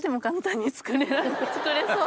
作れそう。